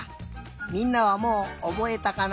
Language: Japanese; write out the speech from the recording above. みんなはもうおぼえたかな？